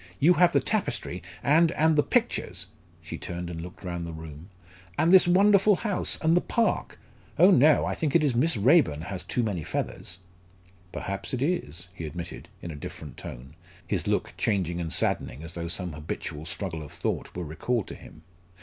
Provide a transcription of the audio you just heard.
You have the tapestry and and the pictures" she turned and looked round the room "and this wonderful house and the park. Oh, no I think it is Miss Raeburn has too many feathers!" "Perhaps it is," he admitted, in a different tone, his look changing and saddening as though some habitual struggle of thought were recalled to him.